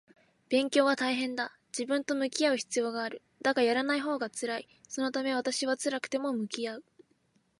勉強は大変だ。自分と向き合う必要がある。だが、やらないほうが辛い。そのため私は辛くても向き合う